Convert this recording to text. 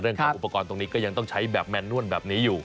เรื่องของอุปกรณ์ตรงนี้ก็ยังต้องใช้แบบแมนนวลแบบนี้อยู่